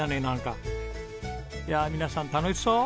いやあ皆さん楽しそう。